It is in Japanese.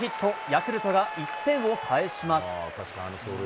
ヤクルトが１点を返します。